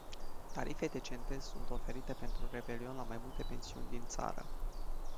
Tarife decente sunt oferite pentru revelion la mai multe pensiuni din țară.